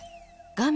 画面